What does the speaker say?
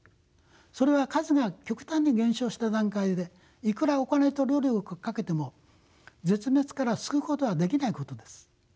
それは数が極端に減少した段階でいくらお金と労力をかけても絶滅から救うことはできないことです。